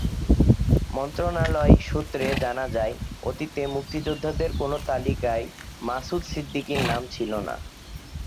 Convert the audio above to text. মন্ত্রণালয় সূত্রে জানা যায়, অতীতে মুক্তিযোদ্ধাদের কোনো তালিকায় মাসুদ সিদ্দিকীর নাম ছিল না।